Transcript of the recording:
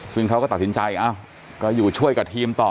ซึ่งเขาก็ตัดสินใจเอ้าก็อยู่ช่วยกับทีมต่อ